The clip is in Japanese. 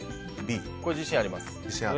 これは自信あります。